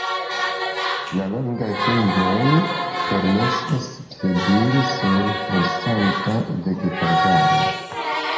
La longaj fingroj permesas piediri sur flosanta vegetaĵaro.